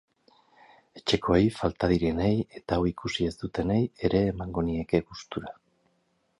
Etxekoei, falta direnei eta hau ikusi ez dutenei ere emango nieke gustura.